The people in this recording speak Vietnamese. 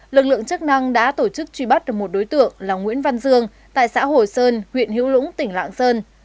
lực lượng chức năng đã tổ chức truy bắt được một đối tượng là nguyễn văn dương tại xã hồ sơn huyện hữu lũng tỉnh lạng sơn